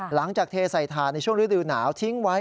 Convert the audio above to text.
หลังจากเทใส่ทานในช่วงฤดิวหนาวทิ้งไว้